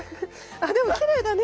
あっでもきれいだね。